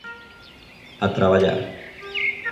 A traballar.